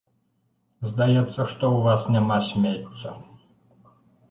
Здаецца, што ў вас няма смецця.